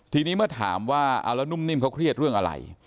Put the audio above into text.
ทีนี้เมื่อถามว่านุ่มนิ่มเค้าเครียดเรื่องอะไร